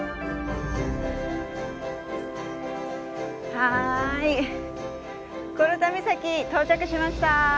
はいゴロタ岬到着しました。